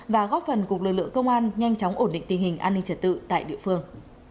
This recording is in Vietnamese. và góp phần cuộc lừa lựa công an nhanh chóng ổn định tình hình an ninh trật tự tại địa phương